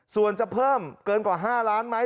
ส่วนจะเพิ่มเกินกว่า๕ล้านไหม